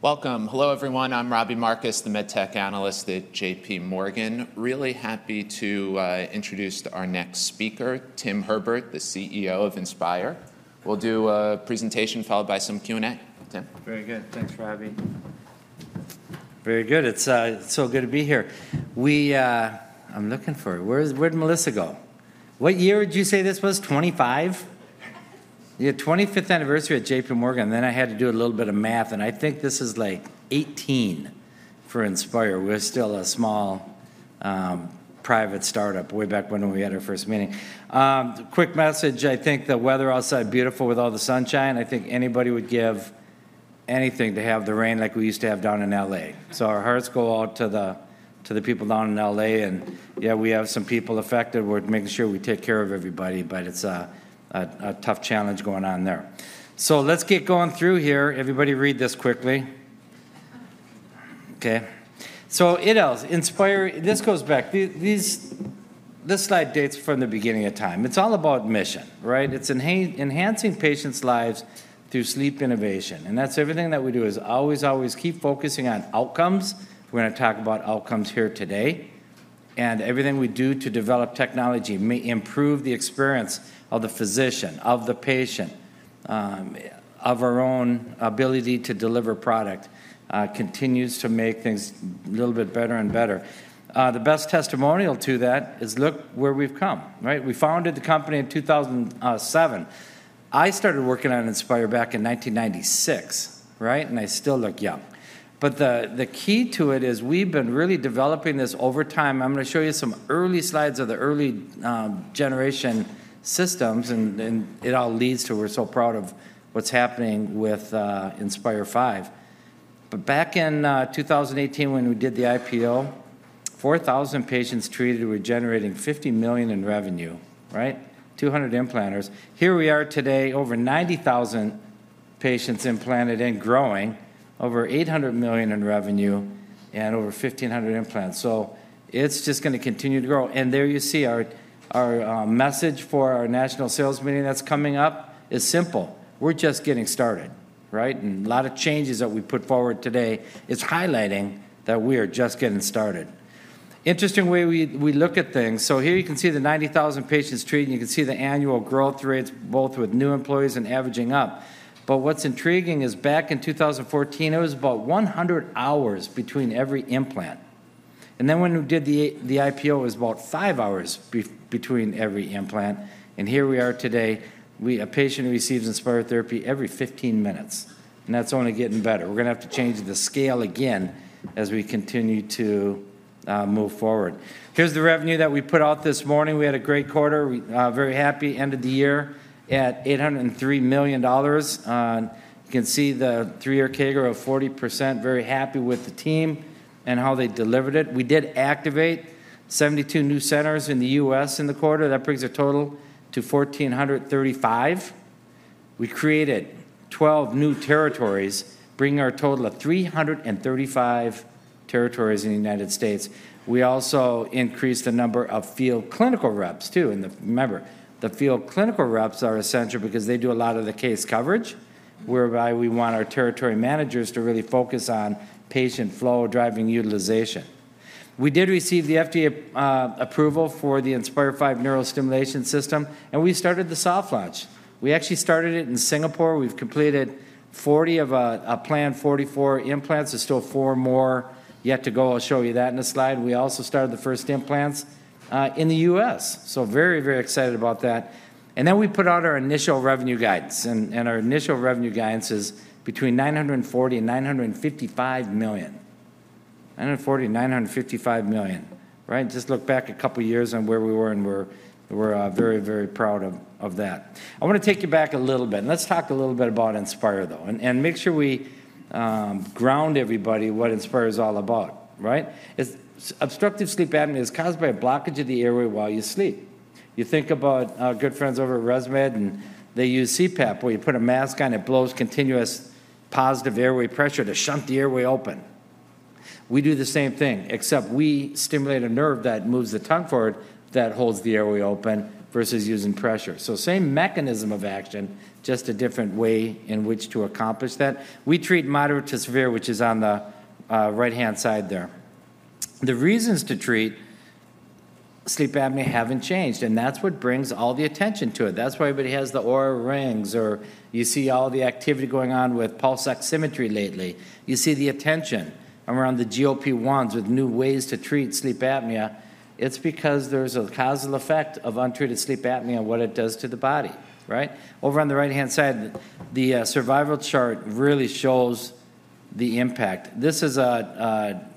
Welcome. Hello, everyone. I'm Robbie Marcus, the MedTech Analyst at JPMorgan. Really happy to introduce our next speaker, Tim Herbert, the CEO of Inspire. We'll do a presentation followed by some Q&A. Tim. Very good. Thanks, Robbie. Very good. It's so good to be here. I'm looking for it. Where did Melissa go? What year did you say this was? 2025? Yeah, 25th anniversary at JPMorgan. Then I had to do a little bit of math, and I think this is like 2018 for Inspire. We're still a small private startup way back when we had our first meeting. Quick message. I think the weather outside is beautiful with all the sunshine. I think anybody would give anything to have the rain like we used to have down in L.A., so our hearts go out to the people down in L.A., and yeah, we have some people affected. We're making sure we take care of everybody, but it's a tough challenge going on there, so let's get going through here. Everybody read this quickly. OK, so Inspire, this goes back. This slide dates from the beginning of time. It's all about mission, right? It's enhancing patients' lives through sleep innovation, and that's everything that we do is always, always keep focusing on outcomes. We're going to talk about outcomes here today, and everything we do to develop technology may improve the experience of the physician, of the patient, of our own ability to deliver product continues to make things a little bit better and better. The best testimonial to that is, look where we've come, right? We founded the company in 2007. I started working on Inspire back in 1996, right, and I still look young, but the key to it is we've been really developing this over time. I'm going to show you some early slides of the early generation systems, and it all leads to, we're so proud of what's happening with Inspire V. But back in 2018, when we did the IPO, 4,000 patients treated were generating $50 million in revenue, right? 200 implanters. Here we are today, over 90,000 patients implanted and growing, over $800 million in revenue, and over 1,500 implanters. So it's just going to continue to grow. And there you see our message for our national sales meeting that's coming up is simple. We're just getting started, right? And a lot of changes that we put forward today, it's highlighting that we are just getting started. Interesting way we look at things. So here you can see the 90,000 patients treated. You can see the annual growth rates, both with new employees and averaging up. But what's intriguing is back in 2014, it was about 100 hours between every implant. And then when we did the IPO, it was about five hours between every implant. And here we are today. A patient receives Inspire therapy every 15 minutes. And that's only getting better. We're going to have to change the scale again as we continue to move forward. Here's the revenue that we put out this morning. We had a great quarter. Very happy. End of the year at $803 million. You can see the three-year CAGR of 40%. Very happy with the team and how they delivered it. We did activate 72 new centers in the U.S. in the quarter. That brings our total to 1,435. We created 12 new territories, bringing our total of 335 territories in the United States. We also increased the number of field clinical reps, too. And remember, the field clinical reps are essential because they do a lot of the case coverage, whereby we want our territory managers to really focus on patient flow driving utilization. We did receive the FDA approval for the Inspire V neurostimulation system, and we started the soft launch. We actually started it in Singapore. We've completed 40 of a planned 44 implants. There's still four more yet to go. I'll show you that in a slide. We also started the first implants in the U.S., so very, very excited about that, and then we put out our initial revenue guidance, and our initial revenue guidance is between $940 and $955 million. $940 and $955 million, right? Just look back a couple of years on where we were, and we're very, very proud of that. I want to take you back a little bit, and let's talk a little bit about Inspire, though, and make sure we ground everybody what Inspire is all about, right? Obstructive sleep apnea is caused by a blockage of the airway while you sleep. You think about good friends over at ResMed, and they use CPAP, where you put a mask on. It blows continuous positive airway pressure to shunt the airway open. We do the same thing, except we stimulate a nerve that moves the tongue forward that holds the airway open versus using pressure. So same mechanism of action, just a different way in which to accomplish that. We treat moderate to severe, which is on the right-hand side there. The reasons to treat sleep apnea haven't changed. And that's what brings all the attention to it. That's why everybody has the Oura Rings, or you see all the activity going on with pulse oximetry lately. You see the attention around the GLP-1s with new ways to treat sleep apnea. It's because there's a causal effect of untreated sleep apnea and what it does to the body, right? Over on the right-hand side, the survival chart really shows the impact. This is a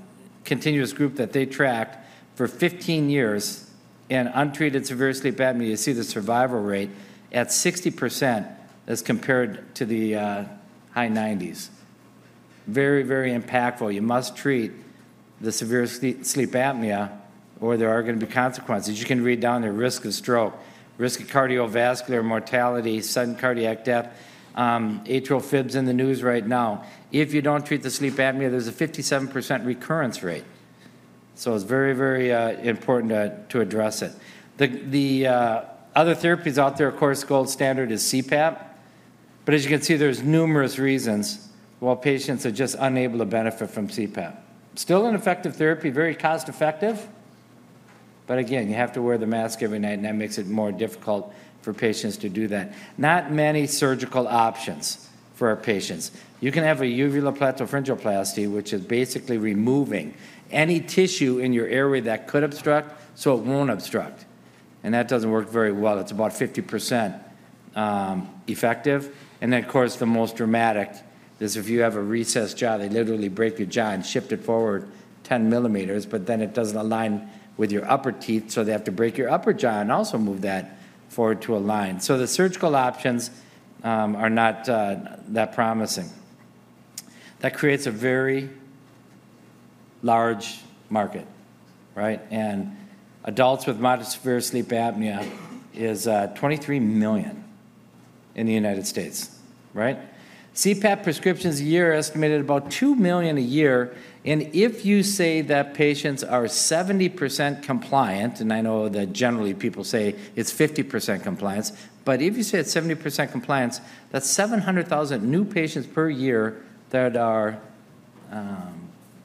continuous group that they tracked for 15 years, and untreated severe sleep apnea, you see the survival rate at 60% as compared to the high 90s. Very, very impactful. You must treat the severe sleep apnea, or there are going to be consequences. You can read down there: risk of stroke, risk of cardiovascular mortality, sudden cardiac death, atrial fibs in the news right now. If you don't treat the sleep apnea, there's a 57% recurrence rate, so it's very, very important to address it. The other therapies out there, of course, gold standard is CPAP. But as you can see, there's numerous reasons why patients are just unable to benefit from CPAP. Still an effective therapy, very cost-effective. But again, you have to wear the mask every night. And that makes it more difficult for patients to do that. Not many surgical options for our patients. You can have a uvulopalatopharyngoplasty, which is basically removing any tissue in your airway that could obstruct so it won't obstruct. And that doesn't work very well. It's about 50% effective. And then, of course, the most dramatic is if you have a recessed jaw. They literally break your jaw and shift it forward 10 millimeters. But then it doesn't align with your upper teeth. So they have to break your upper jaw and also move that forward to align. So the surgical options are not that promising. That creates a very large market, right? And adults with moderate to severe sleep apnea is 23 million in the United States, right? CPAP prescriptions a year are estimated at about 2 million a year. If you say that patients are 70% compliant, and I know that generally people say it's 50% compliance, but if you say it's 70% compliance, that's 700,000 new patients per year that are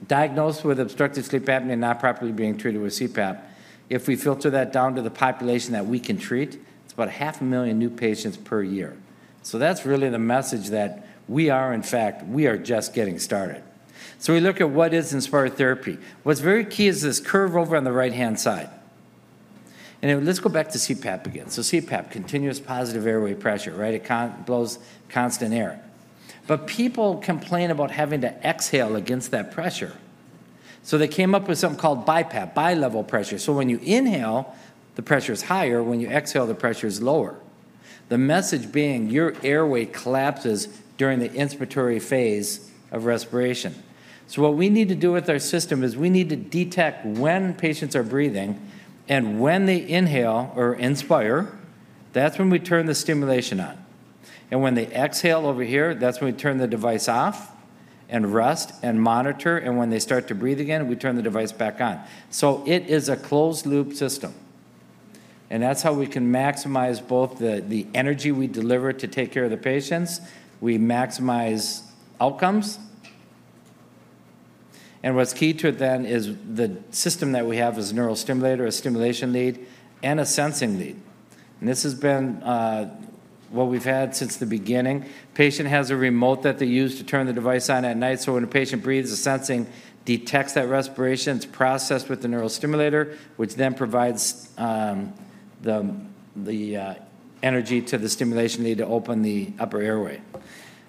diagnosed with obstructive sleep apnea not properly being treated with CPAP. If we filter that down to the population that we can treat, it's about 500,000 new patients per year. So that's really the message that we are, in fact, we are just getting started. So we look at what is Inspire Therapy. What's very key is this curve over on the right-hand side. And let's go back to CPAP again. So CPAP, continuous positive airway pressure, right? It blows constant air. But people complain about having to exhale against that pressure. So they came up with something called BiPAP, bi-level pressure. So when you inhale, the pressure is higher. When you exhale, the pressure is lower. The message being, your airway collapses during the inspiratory phase of respiration. So what we need to do with our system is we need to detect when patients are breathing and when they inhale or inspire. That's when we turn the stimulation on. And when they exhale over here, that's when we turn the device off and rest and monitor. And when they start to breathe again, we turn the device back on. So it is a closed-loop system. And that's how we can maximize both the energy we deliver to take care of the patients. We maximize outcomes. And what's key to it then is the system that we have as a neurostimulator, a stimulation lead, and a sensing lead. And this has been what we've had since the beginning. A patient has a remote that they use to turn the device on at night, so when a patient breathes, the sensing lead detects that respiration. It's processed with the neurostimulator, which then provides the energy to the stimulation lead to open the upper airway.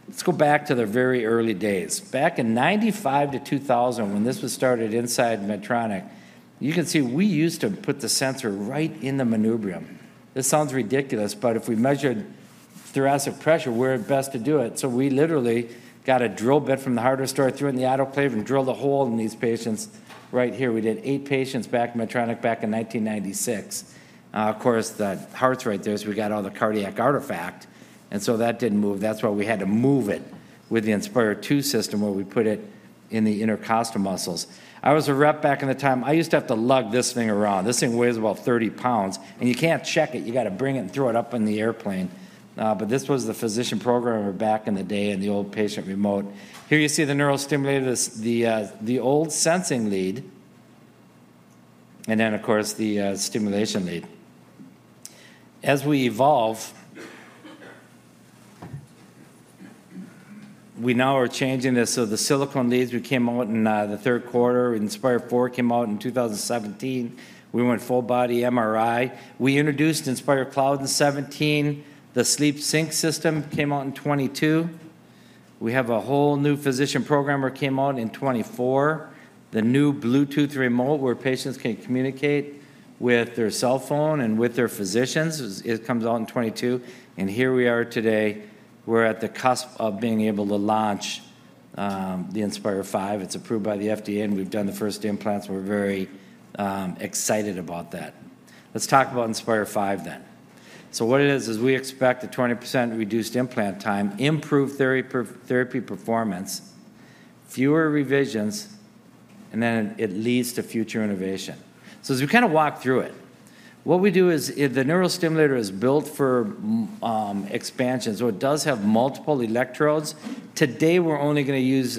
Let's go back to the very early days. Back in 1995-2000, when this was started inside Medtronic, you can see we used to put the sensor right in the manubrium. This sounds ridiculous, but if we measured thoracic pressure, we're best to do it. So we literally got a drill bit from the hardware store, threw it in the autoclave, and drilled a hole in these patients right here. We did eight patients back in Medtronic back in 1996. Of course, the heart's right there, so we got all the cardiac artifact, and so that didn't move. That's why we had to move it with the Inspire II system, where we put it in the intercostal muscles. I was a rep back in the time. I used to have to lug this thing around. This thing weighs about 30 pounds, and you can't check it. You've got to bring it and throw it up in the airplane, but this was the physician programmer back in the day and the old patient remote. Here you see the neurostimulator, the old sensing lead, and then, of course, the stimulation lead. As we evolve, we now are changing this, so the silicone leads we came out in the third quarter. Inspire IV came out in 2017. We went full body MRI. We introduced Inspire Cloud in 2017. The SleepSync system came out in 2022. We have a whole new physician programmer came out in 2024. The new Bluetooth remote, where patients can communicate with their cell phone and with their physicians, it comes out in 2022. Here we are today. We're at the cusp of being able to launch the Inspire V. It's approved by the FDA. We've done the first implants. We're very excited about that. Let's talk about Inspire V then. What it is is we expect a 20% reduced implant time, improved therapy performance, fewer revisions, and then it leads to future innovation. As we kind of walk through it, what we do is the neurostimulator is built for expansion. It does have multiple electrodes. Today, we're only going to use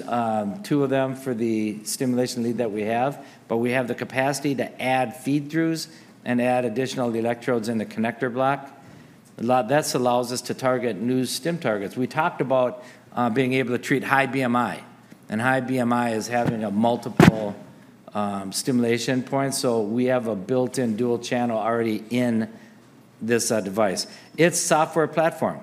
two of them for the stimulation lead that we have. We have the capacity to add feed-throughs and add additional electrodes in the connector block. That allows us to target new stim targets. We talked about being able to treat high BMI, and high BMI is having multiple stimulation points, so we have a built-in dual channel already in this device. It's software platform,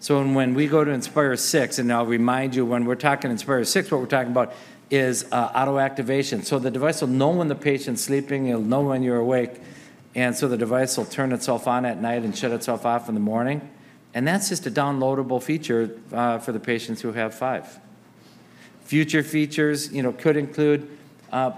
so when we go to Inspire VI, and I'll remind you, when we're talking Inspire VI, what we're talking about is auto activation, so the device will know when the patient's sleeping. It'll know when you're awake, and so the device will turn itself on at night and shut itself off in the morning, and that's just a downloadable feature for the patients who have V. Future features could include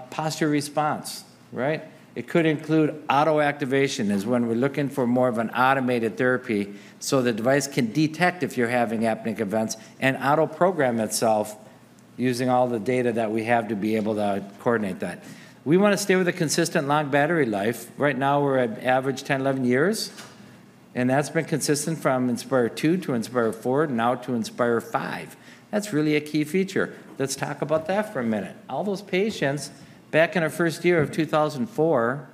posture response, right? It could include auto activation, is when we're looking for more of an automated therapy so the device can detect if you're having apneic events and auto-program itself using all the data that we have to be able to coordinate that. We want to stay with a consistent long battery life. Right now, we're at average 10, 11 years, and that's been consistent from Inspire II to Inspire IV, now to Inspire V. That's really a key feature. Let's talk about that for a minute. All those patients back in our first year of 2004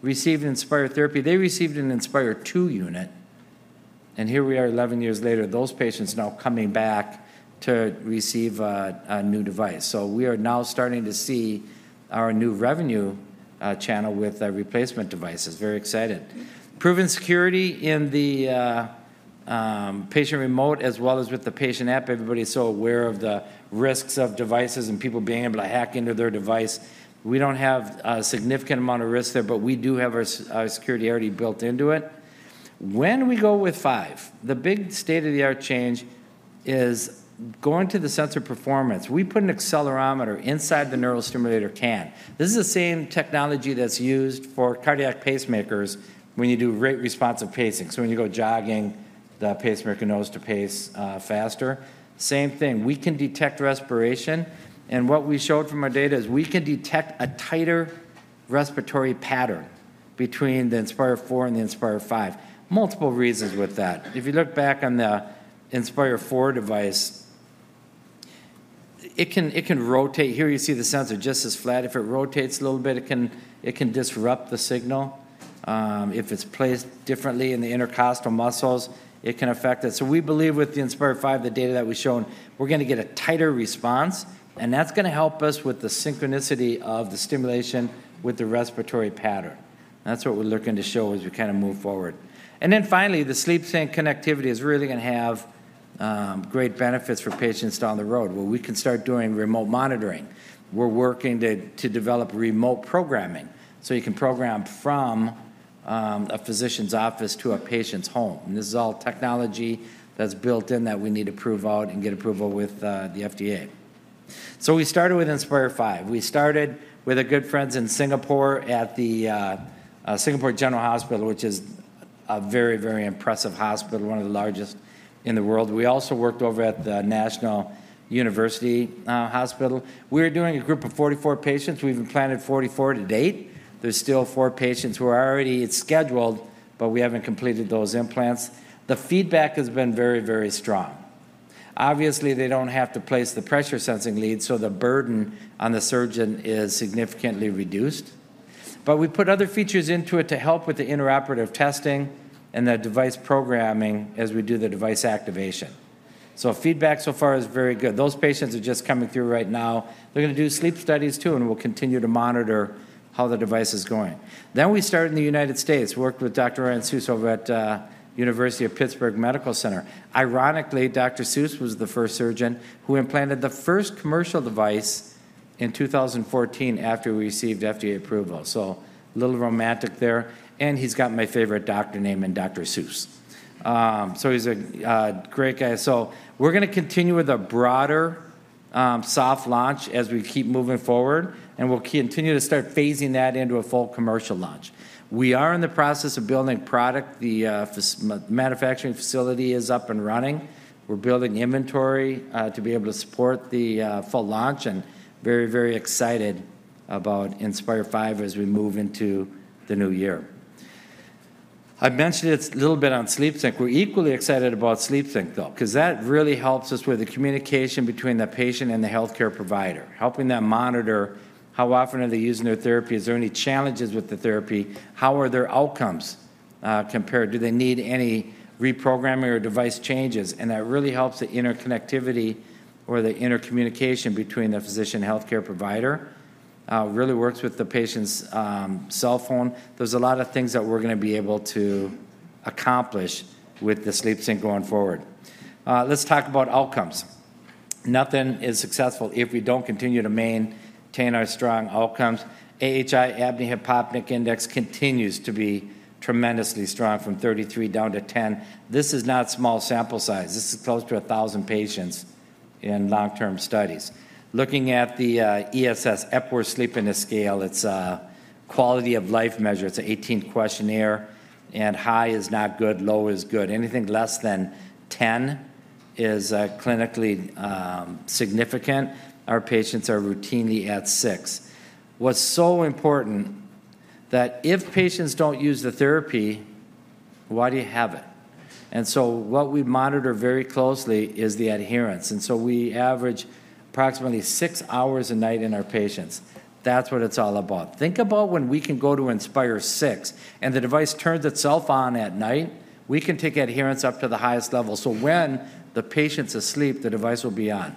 received Inspire therapy. They received an Inspire II unit. And here we are, 11 years later, those patients now coming back to receive a new device. So we are now starting to see our new revenue channel with replacement devices. Very excited. Proven security in the patient remote, as well as with the patient app. Everybody's so aware of the risks of devices and people being able to hack into their device. We don't have a significant amount of risk there, but we do have our security already built into it. When we go with V, the big state-of-the-art change is going to the sensor performance. We put an accelerometer inside the neurostimulator can. This is the same technology that's used for cardiac pacemakers when you do rate-responsive pacing. So when you go jogging, the pacemaker knows to pace faster. Same thing. We can detect respiration. And what we showed from our data is we can detect a tighter respiratory pattern between the Inspire IV and the Inspire V. Multiple reasons with that. If you look back on the Inspire IV device, it can rotate. Here you see the sensor just as flat. If it rotates a little bit, it can disrupt the signal. If it's placed differently in the intercostal muscles, it can affect it. So we believe with the Inspire V the data that we've shown, we're going to get a tighter response. That's going to help us with the synchronicity of the stimulation with the respiratory pattern. That's what we're looking to show as we kind of move forward. The SleepSync connectivity is really going to have great benefits for patients down the road where we can start doing remote monitoring. We're working to develop remote programming. You can program from a physician's office to a patient's home. This is all technology that's built in that we need to prove out and get approval with the FDA. We started with Inspire V. We started with our good friends in Singapore at the Singapore General Hospital, which is a very, very impressive hospital, one of the largest in the world. We also worked over at the National University Hospital. We were doing a group of 44 patients. We've implanted 44 to date. There's still four patients who are already scheduled, but we haven't completed those implants. The feedback has been very, very strong. Obviously, they don't have to place the pressure sensing lead, so the burden on the surgeon is significantly reduced. But we put other features into it to help with the intraoperative testing and the device programming as we do the device activation. So feedback so far is very good. Those patients are just coming through right now. They're going to do sleep studies too, and we'll continue to monitor how the device is going. Then we started in the United States. We worked with Dr. Ryan Soose over at the University of Pittsburgh Medical Center. Ironically, Dr. Soose was the first surgeon who implanted the first commercial device in 2014 after we received FDA approval. So a little romantic there, and he’s got my favorite doctor name, Dr. Soose. So he's a great guy. So we're going to continue with a broader soft launch as we keep moving forward. And we'll continue to start phasing that into a full commercial launch. We are in the process of building product. The manufacturing facility is up and running. We're building inventory to be able to support the full launch. And very, very excited about Inspire V as we move into the new year. I mentioned it a little bit on SleepSync. We're equally excited about SleepSync, though, because that really helps us with the communication between the patient and the healthcare provider, helping them monitor how often are they using their therapy. Is there any challenges with the therapy? How are their outcomes compared? Do they need any reprogramming or device changes? And that really helps the interconnectivity or the intercommunication between the physician and healthcare provider. really works with the patient's cell phone. There's a lot of things that we're going to be able to accomplish with the SleepSync going forward. Let's talk about outcomes. Nothing is successful if we don't continue to maintain our strong outcomes. AHI, Apnea-Hypopnea Index, continues to be tremendously strong from 33 down to 10. This is not small sample size. This is close to 1,000 patients in long-term studies. Looking at the ESS, Epworth Sleepiness Scale, it's a quality of life measure. It's an 18-questionnaire, and high is not good. Low is good. Anything less than 10 is clinically significant. Our patients are routinely at six. What's so important is that if patients don't use the therapy, why do you have it? And so what we monitor very closely is the adherence, and so we average approximately six hours a night in our patients. That's what it's all about. Think about when we can go to Inspire VI and the device turns itself on at night. We can take adherence up to the highest level. So when the patient's asleep, the device will be on.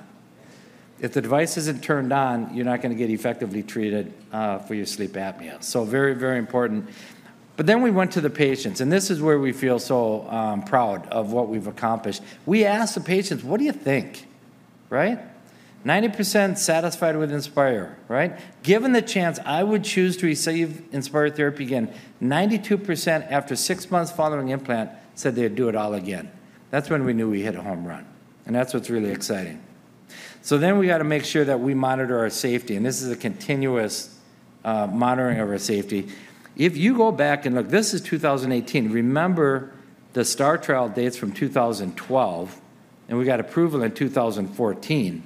If the device isn't turned on, you're not going to get effectively treated for your sleep apnea. So very, very important. But then we went to the patients. And this is where we feel so proud of what we've accomplished. We asked the patients, "What do you think?" Right? 90% satisfied with Inspire, right? Given the chance, I would choose to receive Inspire therapy again. 92% after six months following implant said they'd do it all again. That's when we knew we hit a home run. And that's what's really exciting. So then we got to make sure that we monitor our safety. This is a continuous monitoring of our safety. If you go back and look, this is 2018. Remember the STAR Trial dates from 2012. We got approval in 2014.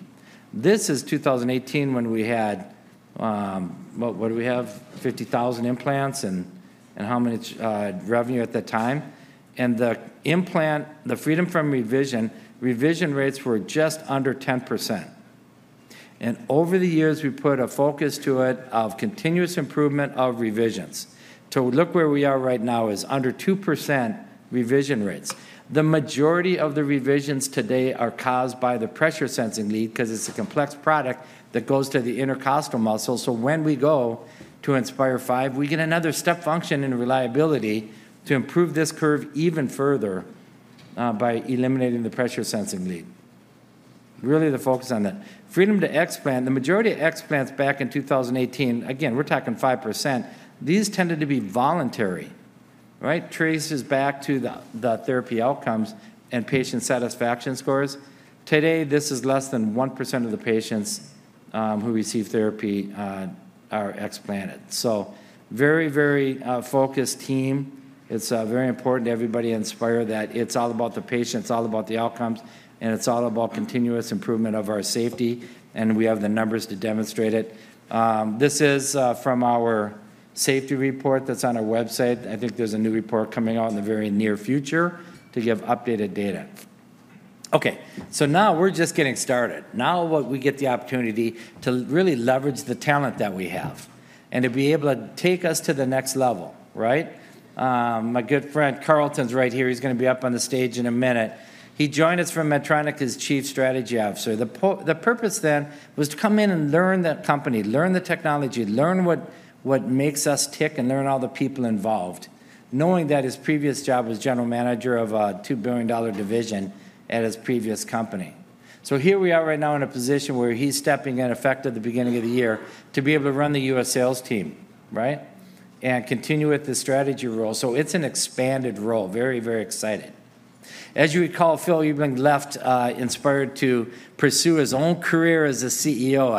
This is 2018 when we had, what do we have? 50,000 implants and how much revenue at the time. The implant, the freedom from revision, revision rates were just under 10%. Over the years, we put a focus to it of continuous improvement of revisions. To look where we are right now is under 2% revision rates. The majority of the revisions today are caused by the pressure sensing lead because it's a complex product that goes to the intercostal muscle. So when we go to Inspire V, we get another step function in reliability to improve this curve even further by eliminating the pressure sensing lead. Really the focus on that. Freedom to explant. The majority of explants back in 2018. Again, we're talking 5%. These tended to be voluntary, right? Traces back to the therapy outcomes and patient satisfaction scores. Today, this is less than 1% of the patients who receive therapy are explanted. So very, very focused team. It's very important to everybody at Inspire that it's all about the patients. It's all about the outcomes, and it's all about continuous improvement of our safety. We have the numbers to demonstrate it. This is from our safety report that's on our website. I think there's a new report coming out in the very near future to give updated data. Okay. Now we're just getting started. Now we get the opportunity to really leverage the talent that we have and to be able to take us to the next level, right? My good friend Carlton's right here. He's going to be up on the stage in a minute. He joined us from Medtronic as Chief Strategy Officer. The purpose then was to come in and learn that company, learn the technology, learn what makes us tick, and learn all the people involved, knowing that his previous job was general manager of a $2 billion division at his previous company. So here we are right now in a position where he's stepping in effect at the beginning of the year to be able to run the U.S. sales team, right? And continue with the strategy role. So it's an expanded role. Very, very excited. As you recall, Phil Ebeling left Inspire to pursue his own career as a CEO.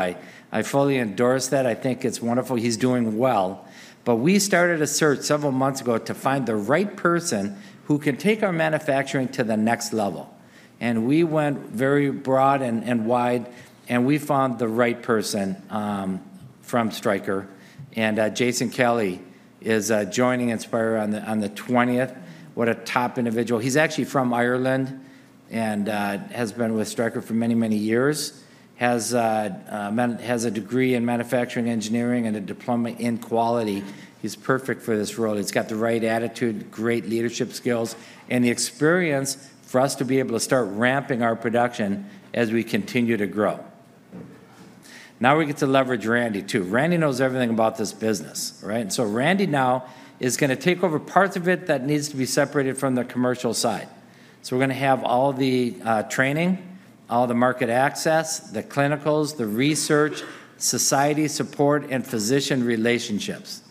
I fully endorse that. I think it's wonderful. He's doing well. But we started a search several months ago to find the right person who can take our manufacturing to the next level. And we went very broad and wide. And we found the right person from Stryker. And Jason Kelly is joining Inspire on the 20th. What a top individual. He's actually from Ireland and has been with Stryker for many, many years. Has a degree in manufacturing engineering and a diploma in quality. He's perfect for this role. He's got the right attitude, great leadership skills, and the experience for us to be able to start ramping our production as we continue to grow. Now we get to leverage Randy too. Randy knows everything about this business, right? And so Randy now is going to take over parts of it that needs to be separated from the commercial side. So we're going to have all the training, all the market access, the clinicals, the research, society support, and physician relationships.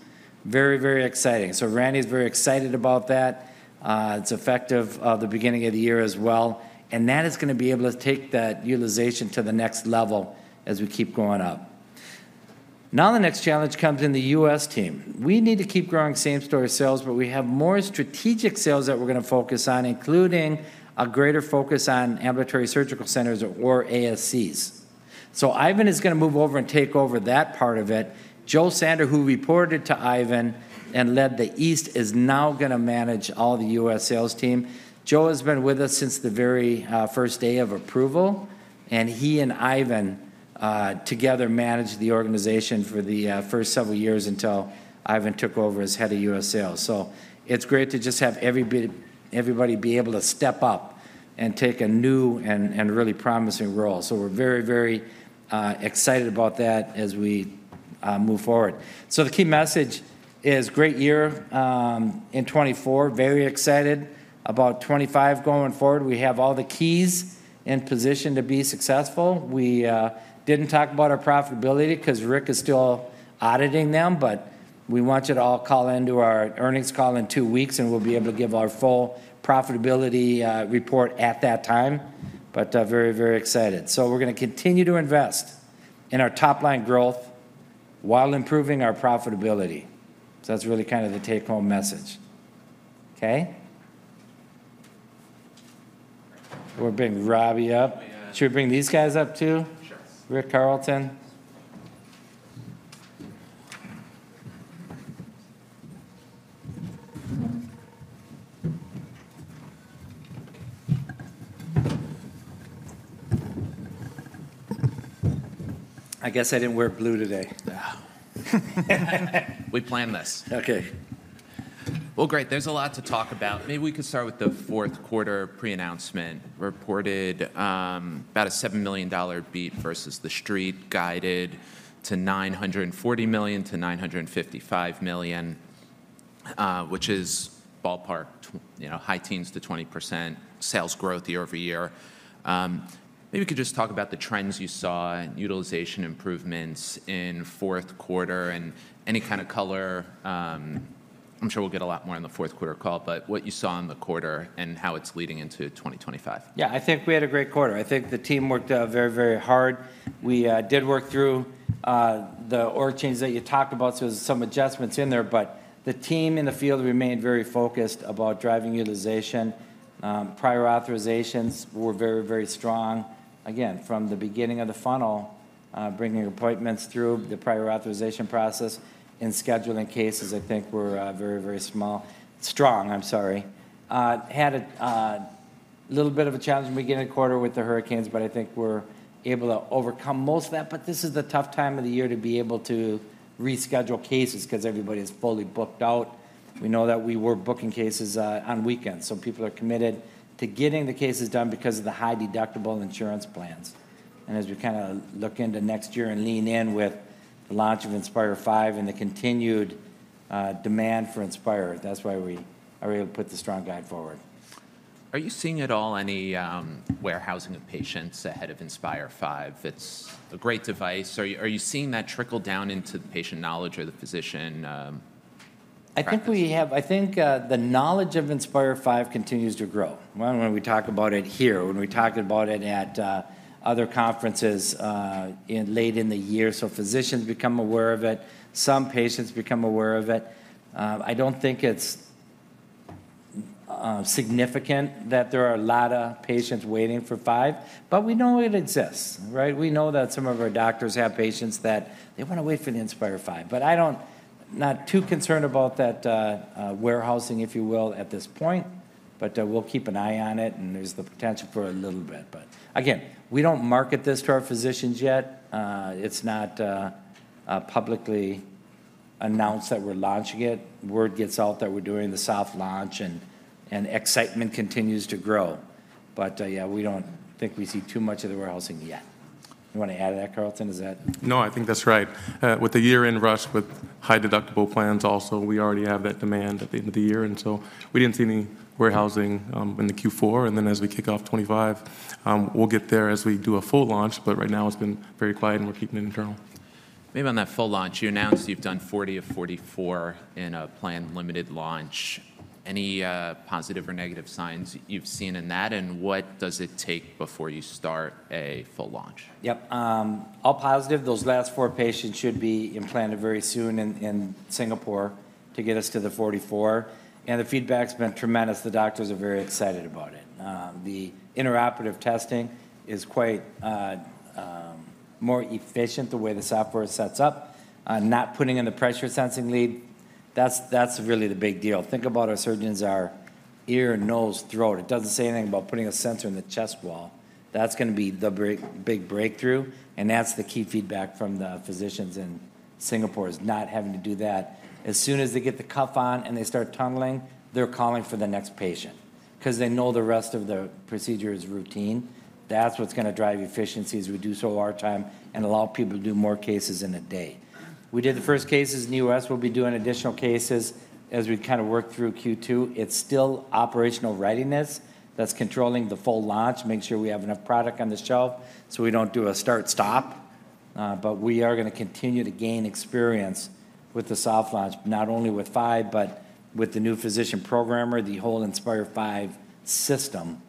Very, very exciting. So Randy's very excited about that. It's effective at the beginning of the year as well. And that is going to be able to take that utilization to the next level as we keep going up. Now the next challenge comes in the U.S. team. We need to keep growing same-store sales, but we have more strategic sales that we're going to focus on, including a greater focus on ambulatory surgical centers or ASCs. So Ivan is going to move over and take over that part of it. Joe Sander, who reported to Ivan and led the East, is now going to manage all the U.S. sales team. Joe has been with us since the very first day of approval. He and Ivan together managed the organization for the first several years until Ivan took over as head of U.S. sales. It's great to just have everybody be able to step up and take a new and really promising role. We're very, very excited about that as we move forward. The key message is great year in 2024. Very excited about 2025 going forward. We have all the keys in position to be successful. We didn't talk about our profitability because Rick is still auditing them. But we want you to all call into our earnings call in two weeks, and we'll be able to give our full profitability report at that time. But very, very excited. We're going to continue to invest in our top-line growth while improving our profitability. That's really kind of the take-home message. Okay? We're bringing Robbie up. Should we bring these guys up too? Rick, Carlton Sure. Rick, Carlton. I guess I didn't wear blue today. No. We planned this. Okay. Well, great. There's a lot to talk about. Maybe we could start with the fourth quarter pre-announcement reported about a $7 million beat vs the street guided to $940 million-$955 million, which is ballpark, high teens-20% sales growth year over year. Maybe we could just talk about the trends you saw and utilization improvements in fourth quarter and any kind of color. I'm sure we'll get a lot more in the fourth quarter call, but what you saw in the quarter and how it's leading into 2025. Yeah. I think we had a great quarter. I think the team worked very, very hard. We did work through the org change that you talked about. So there's some adjustments in there. But the team in the field remained very focused about driving utilization. Prior authorizations were very, very strong. Again, from the beginning of the funnel, bringing appointments through the prior authorization process and scheduling cases, I think were very, very strong. I'm sorry. Had a little bit of a challenge in the beginning of the quarter with the hurricanes, but I think we're able to overcome most of that. But this is the tough time of the year to be able to reschedule cases because everybody is fully booked out. We know that we were booking cases on weekends. So people are committed to getting the cases done because of the high deductible insurance plans. And as we kind of look into next year and lean in with the launch of Inspire V and the continued demand for Inspire, that's why we are able to put the strong guide forward. Are you seeing at all any warehousing of patients ahead of Inspire V? It's a great device. Are you seeing that trickle down into the patient knowledge or the physician? I think we have. I think the knowledge of Inspire V continues to grow. When we talk about it here, when we talk about it at other conferences late in the year. So physicians become aware of it. Some patients become aware of it. I don't think it's significant that there are a lot of patients waiting for 5. But we know it exists, right? We know that some of our doctors have patients that they want to wait for the Inspire V. But I'm not too concerned about that warehousing, if you will, at this point. But we'll keep an eye on it, and there's the potential for a little bit. But again, we don't market this to our physicians yet. It's not publicly announced that we're launching it. Word gets out that we're doing the soft launch, and excitement continues to grow. But yeah, we don't think we see too much of the warehousing yet. You want to add to that, Carlton? Is that? No, I think that's right. With the year-end rush with high deductible plans also, we already have that demand at the end of the year. And so we didn't see any warehousing in the Q4. And then as we kick off 2025, we'll get there as we do a full launch. But right now, it's been very quiet, and we're keeping it internal. Maybe on that full launch, you announced you've done 40 of 44 in a planned limited launch. Any positive or negative signs you've seen in that? And what does it take before you start a full launch? Yep. All positive. Those last four patients should be implanted very soon in Singapore to get us to the 44. And the feedback's been tremendous. The doctors are very excited about it. The intraoperative testing is quite more efficient the way the software is set up. Not putting in the pressure sensing lead, that's really the big deal. Think about our surgeons, our ear, nose, throat. It doesn't say anything about putting a sensor in the chest wall. That's going to be the big breakthrough. And that's the key feedback from the physicians in Singapore is not having to do that. As soon as they get the cuff on and they start tunneling, they're calling for the next patient because they know the rest of the procedure is routine. That's what's going to drive efficiencies, reduce OR time, and allow people to do more cases in a day. We did the first cases in the U.S. We'll be doing additional cases as we kind of work through Q2. It's still operational readiness that's controlling the full launch, making sure we have enough product on the shelf so we don't do a start-stop. But we are going to continue to gain experience with the soft launch, not only with V, but with the new physician programmer. The whole Inspire V system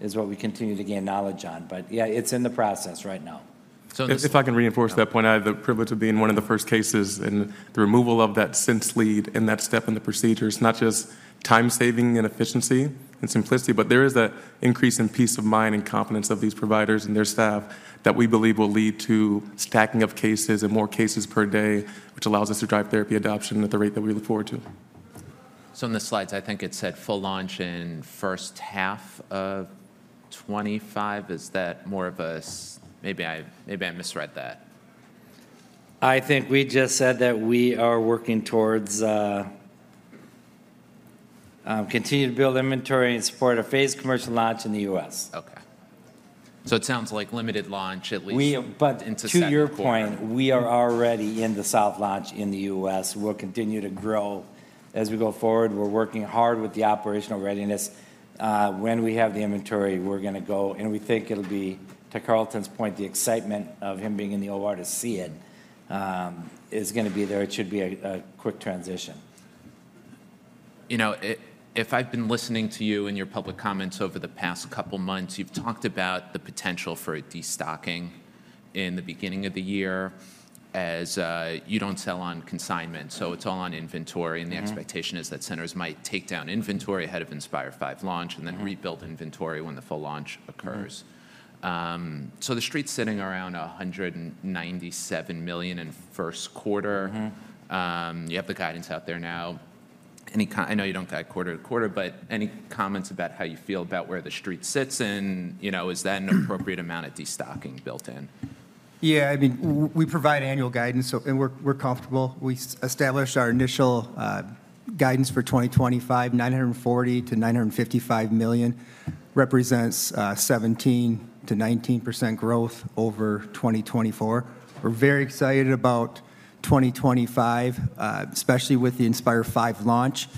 is what we continue to gain knowledge on. But yeah, it's in the process right now. So if I can reinforce that point, I have the privilege of being one of the first cases in the removal of that sensing lead and that step in the procedure. It's not just time-saving and efficiency and simplicity, but there is an increase in peace of mind and confidence of these providers and their staff that we believe will lead to stacking of cases and more cases per day, which allows us to drive therapy adoption at the rate that we look forward to. So on the slides, I think it said full launch in first half of 2025. Is that more of a, maybe I misread that. I think we just said that we are working towards continuing to build inventory and support a phased commercial launch in the U.S. Okay. So it sounds like limited launch at least into 2024. To your point, we are already in the soft launch in the U.S. We'll continue to grow as we go forward. We're working hard with the operational readiness. When we have the inventory, we're going to go. We think it'll be, to Carlton's point, the excitement of him being in the OR to see it is going to be there. It should be a quick transition. You know, if I've been listening to you in your public comments over the past couple of months, you've talked about the potential for a destocking in the beginning of the year as you don't sell on consignment. So it's all on inventory. And the expectation is that centers might take down inventory ahead of Inspire V launch and then rebuild inventory when the full launch occurs. So the street's sitting around $197 million in first quarter. You have the guidance out there now. I know you don't guide quarter to quarter, but any comments about how you feel about where the street sits in? Is that an appropriate amount of destocking built in? Yeah. I mean, we provide annual guidance, and we're comfortable. We established our initial guidance for 2025. $940-$955 million represents 17%-19% growth over 2024. We're very excited about 2025, especially with the Inspire V launch.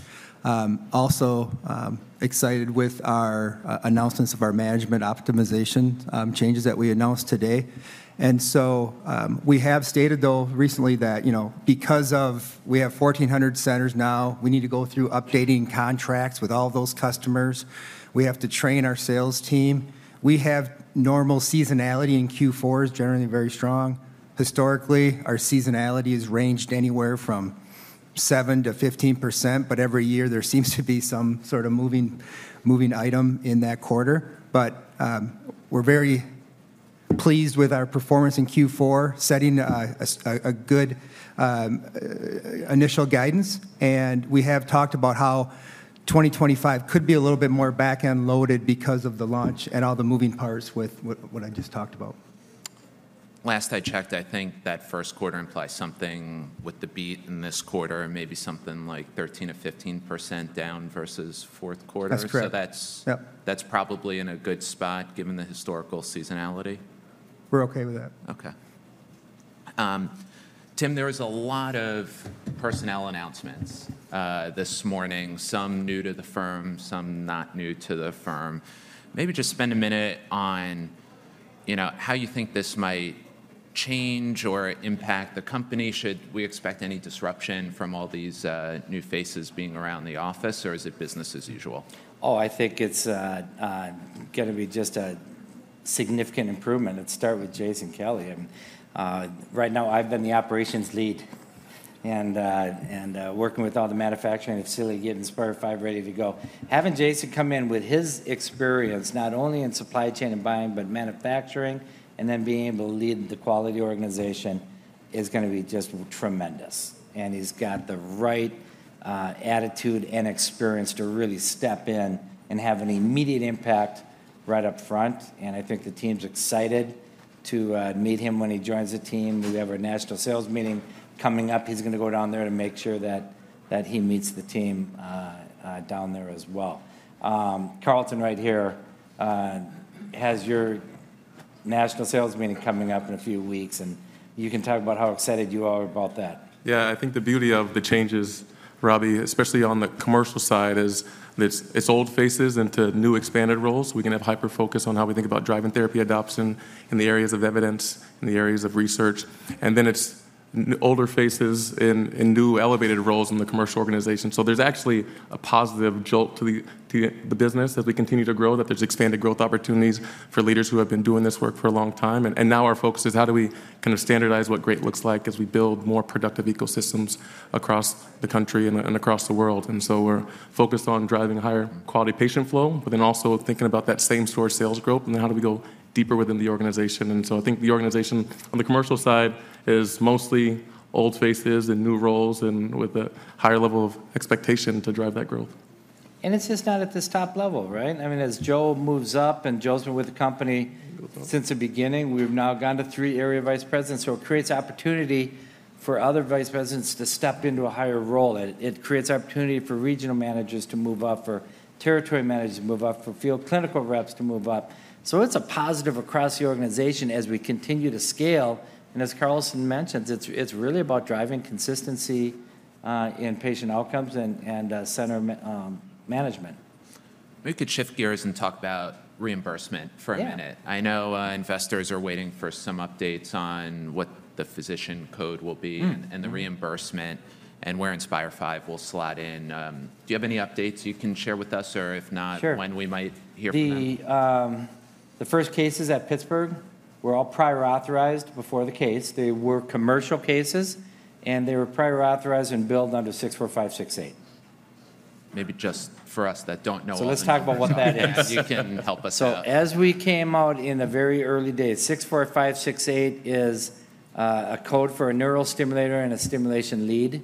Also excited with our announcements of our management optimization changes that we announced today. And so we have stated, though, recently that because we have 1,400 centers now, we need to go through updating contracts with all those customers. We have to train our sales team. We have normal seasonality in Q4s, generally very strong. Historically, our seasonality has ranged anywhere from 7%-15%. But every year, there seems to be some sort of moving item in that quarter. But we're very pleased with our performance in Q4, setting a good initial guidance. We have talked about how 2025 could be a little bit more back-end loaded because of the launch and all the moving parts with what I just talked about. Last I checked, I think that first quarter implies something with the beat in this quarter, maybe something like 13%-15% down vs fourth quarter. That's correct. So that's probably in a good spot given the historical seasonality. We're okay with that. Okay. Tim, there was a lot of personnel announcements this morning, some new to the firm, some not new to the firm. Maybe just spend a minute on how you think this might change or impact the company. Should we expect any disruption from all these new faces being around the office, or is it business as usual? Oh, I think it's going to be just a significant improvement. Let's start with Jason Kelly. Right now, I've been the operations lead and working with all the manufacturing. It's silly to get Inspire V ready to go. Having Jason come in with his experience, not only in supply chain and buying, but manufacturing, and then being able to lead the quality organization is going to be just tremendous. And he's got the right attitude and experience to really step in and have an immediate impact right up front. And I think the team's excited to meet him when he joins the team. We have our national sales meeting coming up. He's going to go down there to make sure that he meets the team down there as well. Carlton, right here, has your national sales meeting coming up in a few weeks. And you can talk about how excited you are about that. Yeah. I think the beauty of the changes, Robbie, especially on the commercial side, is it's old faces into new expanded roles. We can have hyper-focus on how we think about driving therapy adoption in the areas of evidence, in the areas of research, and then it's older faces in new elevated roles in the commercial organization, so there's actually a positive jolt to the business as we continue to grow, that there's expanded growth opportunities for leaders who have been doing this work for a long time, and now our focus is how do we kind of standardize what great looks like as we build more productive ecosystems across the country and across the world, and so we're focused on driving higher quality patient flow, but then also thinking about that same source sales growth, and then how do we go deeper within the organization? And so I think the organization on the commercial side is mostly old faces and new roles and with a higher level of expectation to drive that growth. And it's just not at the top level, right? I mean, as Joe moves up and Joe's been with the company since the beginning, we've now gone to three area vice presidents. So it creates opportunity for other vice presidents to step into a higher role. It creates opportunity for regional managers to move up, for territory managers to move up, for field clinical reps to move up. So it's a positive across the organization as we continue to scale. And as Carl mentioned, it's really about driving consistency in patient outcomes and center management. We could shift gears and talk about reimbursement for a minute. I know investors are waiting for some updates on what the physician code will be and the reimbursement and where Inspire V will slot in. Do you have any updates you can share with us, or if not, when we might hear from them? The first cases at Pittsburgh were all prior authorized before the case. They were commercial cases, and they were prior authorized and billed under 64568. Maybe just for us that don't know, so let's talk about what that is. You can help us out. So as we came out in the very early days, 64568 is a code for a neurostimulator and a stimulation lead.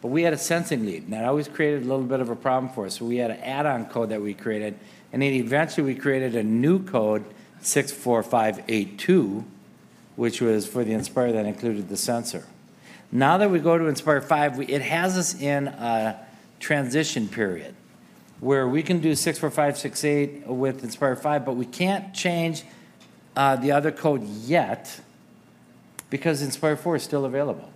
But we had a sensing lead. And that always created a little bit of a problem for us, so we had an add-on code that we created. Then eventually we created a new code, 64582, which was for the Inspire that included the sensor. Now that we go to Inspire V, it has us in a transition period where we can do 64568 with Inspire V, but we can't change the other code yet because Inspire IV is still available.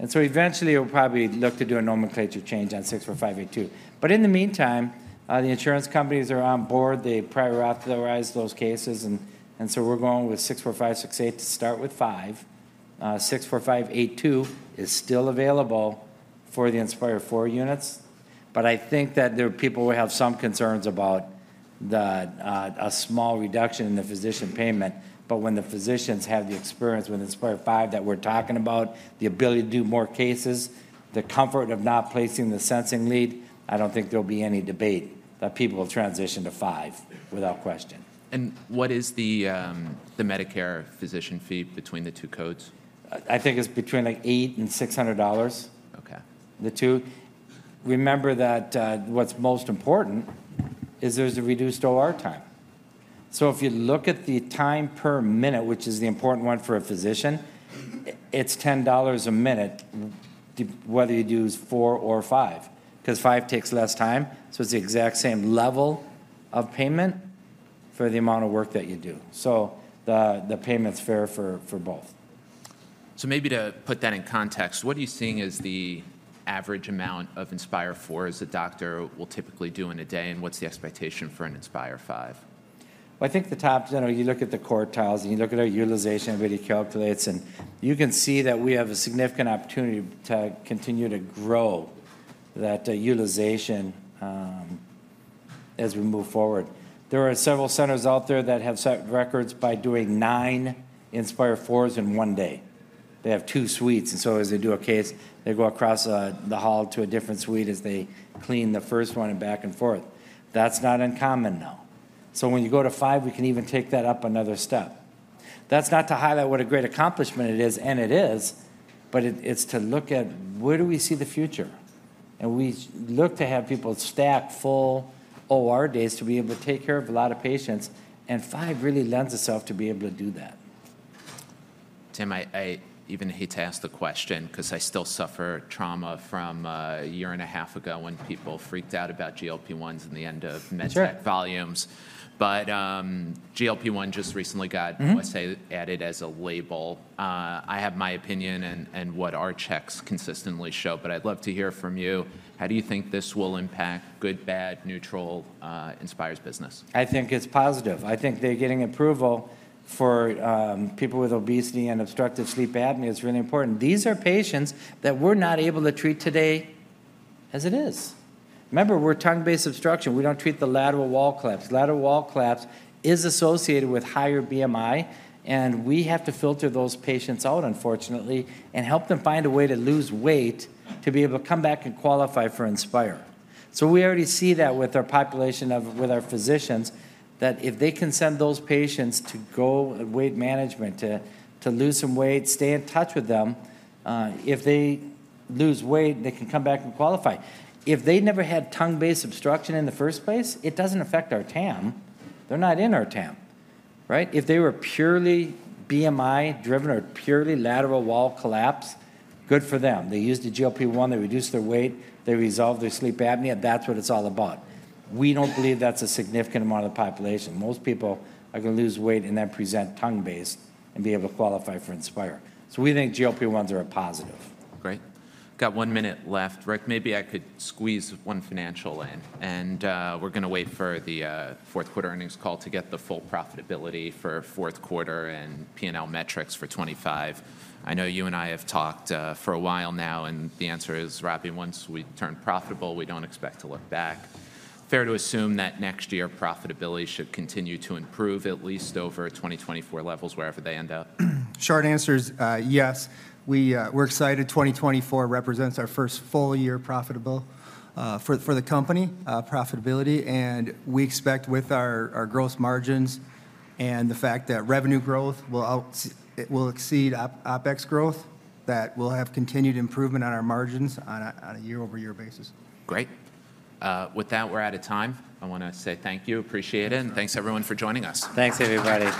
Eventually it will probably look to do a nomenclature change on 64582. In the meantime, the insurance companies are on board. They prior authorize those cases. We're going with 64568 to start with V. 64582 is still available for the Inspire IV units. I think that there are people who have some concerns about a small reduction in the physician payment. But when the physicians have the experience with Inspire V that we're talking about, the ability to do more cases, the comfort of not placing the sensing lead, I don't think there'll be any debate that people will transition to V without question. And what is the Medicare physician fee between the two codes? I think it's between like $800 and $600, the two. Remember that what's most important is there's a reduced OR time. So if you look at the time per minute, which is the important one for a physician, it's $10 a minute, whether you do IV or V, because V takes less time. So it's the exact same level of payment for the amount of work that you do. So the payment's fair for both. So maybe to put that in context, what are you seeing as the average amount of Inspire IVs a doctor will typically do in a day, and what's the expectation for an Inspire V? Well, I think the top, you look at the quartiles and you look at our utilization and really calculates, and you can see that we have a significant opportunity to continue to grow that utilization as we move forward. There are several centers out there that have set records by doing nine Inspire IVs in one day. They have two suites. And so as they do a case, they go across the hall to a different suite as they clean the first one and back and forth. That's not uncommon now. So when you go to V, we can even take that up another step. That's not to highlight what a great accomplishment it is, and it is, but it's to look at where do we see the future. We look to have people stack full OR days to be able to take care of a lot of patients. And V really lends itself to be able to do that. Tim, I even hate to ask the question because I still suffer trauma from a year and a half ago when people freaked out about GLP-1s in the end of MedTech volumes. But GLP-1 just recently got, I must say, added as a label. I have my opinion and what our checks consistently show, but I'd love to hear from you. How do you think this will impact, good, bad, neutral, Inspire's business? I think it's positive. I think they're getting approval for people with obesity and obstructive sleep apnea. It's really important. These are patients that we're not able to treat today as it is. Remember, we're tongue-based obstruction. We don't treat the lateral wall collapse. Lateral wall collapse is associated with higher BMI, and we have to filter those patients out, unfortunately, and help them find a way to lose weight to be able to come back and qualify for Inspire. So we already see that with our population of our physicians, that if they can send those patients to go with weight management to lose some weight, stay in touch with them, if they lose weight, they can come back and qualify. If they never had tongue-based obstruction in the first place, it doesn't affect our TAM. They're not in our TAM, right? If they were purely BMI-driven or purely lateral wall collapse, good for them. They used the GLP-1, they reduced their weight, they resolved their sleep apnea. That's what it's all about. We don't believe that's a significant amount of the population. Most people are going to lose weight and then present tongue-based and be able to qualify for Inspire. So we think GLP-1s are a positive. Great. Got one minute left. Rick, maybe I could squeeze one financial in. And we're going to wait for the fourth quarter earnings call to get the full profitability for fourth quarter and P&L metrics for 2025. I know you and I have talked for a while now, and the answer is, Robbie, once we turn profitable, we don't expect to look back. Fair to assume that next year profitability should continue to improve at least over 2024 levels, wherever they end up? Short answer is yes. We're excited. 2024 represents our first full year profitable for the company, profitability. We expect with our gross margins and the fact that revenue growth will exceed OpEx growth, that we'll have continued improvement on our margins on a year-over-year basis. Great. With that, we're out of time. I want to say thank you, appreciate it, and thanks everyone for joining us. Thanks, everybody.